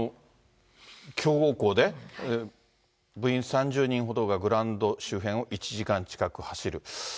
強豪校で、部員３０人ほどがグラウンド周辺を１時間近く走る。